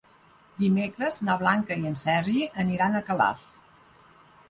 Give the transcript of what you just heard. Dimecres na Blanca i en Sergi aniran a Calaf.